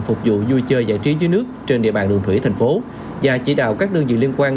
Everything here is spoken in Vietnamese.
phục vụ vui chơi giải trí dưới nước trên địa bàn đường thủy thành phố và chỉ đạo các đơn vị liên quan